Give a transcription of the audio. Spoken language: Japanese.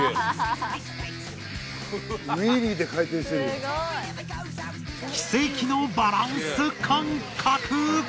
すごい。奇跡のバランス感覚。